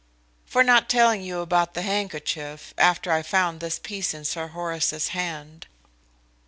"For not telling you about the handkerchief, after I found this piece in Sir Horace's hand."